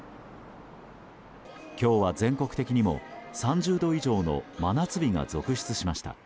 今日は、全国的にも３０度以上の真夏日が続出しました。